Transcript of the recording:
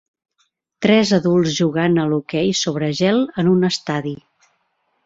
Tres adults jugant a l'hoquei sobre gel en un estadi.